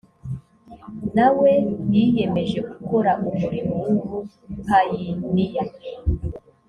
na we yiyemeje gukora umurimo w’ubupayiniya